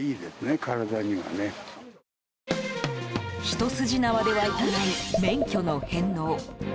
ひと筋縄ではいかない免許の返納。